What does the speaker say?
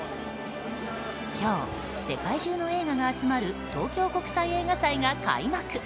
今日、世界中の映画が集まる東京国際映画祭が開幕。